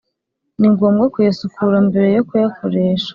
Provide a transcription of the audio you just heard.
ni ngombwa kuyasukura mbere yo kuyakoresha.